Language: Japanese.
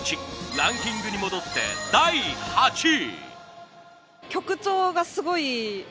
ランキングに戻って第８位。